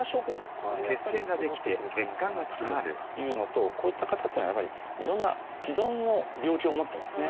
これはやっぱり起こってくる可能性が高いというのとこういった方っていうのはやはりいろんな既存の病気を持ってますね。